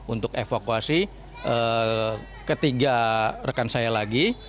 untuk evakuasi ketiga rekan saya lagi